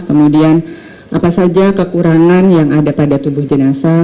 kemudian apa saja kekurangan yang ada pada tubuh jenazah